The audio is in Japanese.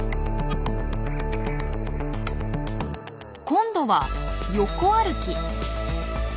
今度は横歩き。